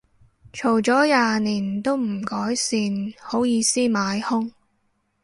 嘈咗廿年都唔改善，好意思買兇